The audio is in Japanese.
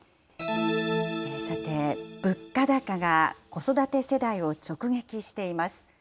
さて、物価高が子育て世代を直撃しています。